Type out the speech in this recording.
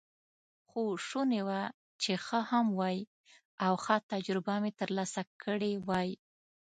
خو شوني وه چې ښه هم وای، او ښه تجربه مې ترلاسه کړې وای.